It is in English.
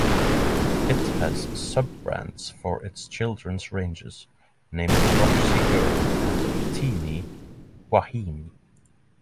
It has sub-brands for its children's ranges, named Roxy Girl and Teenie Wahine.